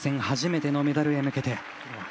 初めてのメダルへ向けて。